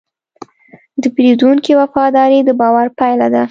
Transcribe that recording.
د پیرودونکي وفاداري د باور پايله ده.